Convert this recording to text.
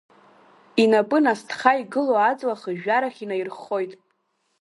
Инапы насҭха игылоу аҵла хыжәжәарахь инаирххоит.